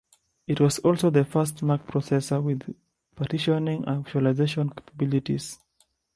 It was also the first Mac processor with partitioning and virtualization capabilities.